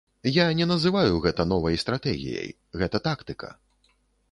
Я не называю гэта новай стратэгіяй, гэта тактыка.